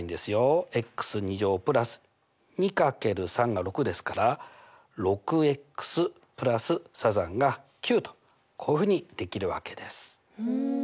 ＋２×３が６ですから６＋３×３＝９とこういうふうにできるわけです。